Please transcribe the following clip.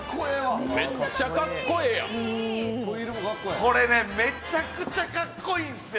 これね、めちゃくちゃかっこいいんですよ。